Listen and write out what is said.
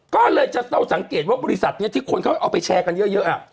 ก็เลยเราสังเกตว่าบริษัทนี้ที่คนเค้าเอาไปแชร์กันเยอะอ่ะ